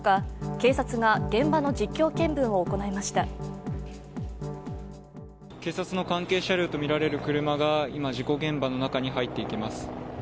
警察の関係車両とみられる車が今、事故現場の中に入っていきます。